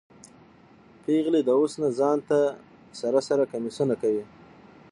پیغلې د اوس نه ځان ته سره سره کمیسونه کوي